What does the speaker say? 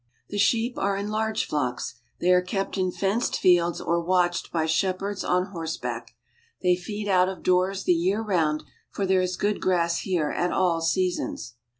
The sheep are in large flocks. They are kept in fenced fields or watched by shepherds on horseback. They feed out of doors the year round, for there is good grass here at all seasons.